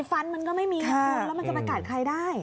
มันก็ไม่มีแล้วมันก็ไปกัดใครได้